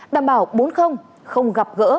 đảm bảo bốn không gặp gỡ